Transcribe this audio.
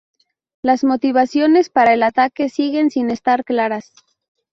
Las motivaciones para el ataque siguen sin estar claras.